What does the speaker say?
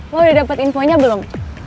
lo udah dapet infonya belum